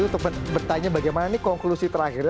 untuk bertanya bagaimana ini konklusi terakhir